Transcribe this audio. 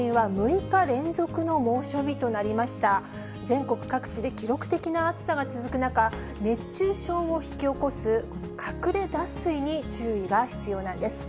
全国各地で記録的な暑さが続く中、熱中症を引き起こす、この隠れ脱水に注意が必要なんです。